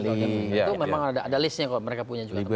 itu memang ada listnya kok mereka punya juga